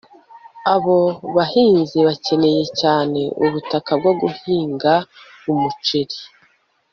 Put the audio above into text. Abo bahinzi bakeneye cyane ubutaka bwo guhinga umuceri